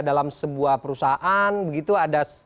dalam sebuah perusahaan begitu ada